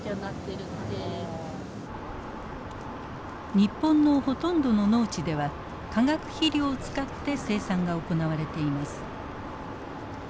日本のほとんどの農地では化学肥料を使って生産が行われています。